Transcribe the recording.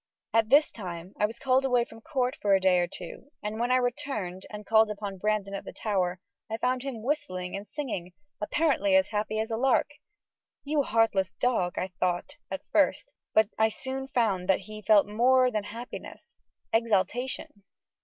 At this time I was called away from court for a day or two, and when I returned and called upon Brandon at the Tower, I found him whistling and singing, apparently as happy as a lark. "You heartless dog," thought I, at first; but I soon found that he felt more than happiness exaltation.